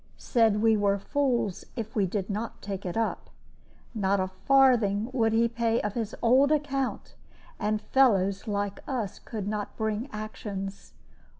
Said we were fools if we did not take it up. Not a farthing would he pay of his old account, and fellows like us could not bring actions.